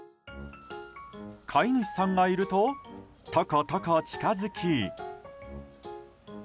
飼い主さんがいるとトコトコ近づき。